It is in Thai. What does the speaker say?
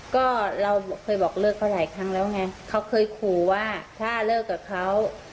ก็เราเคยบอกเลิกเขาหลายครั้งแล้วไงเขาเคยขู่ว่าถ้าเลิกกับเขา